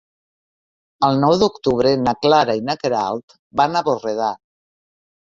El nou d'octubre na Clara i na Queralt van a Borredà.